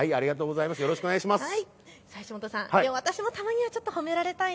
よろしくお願いします。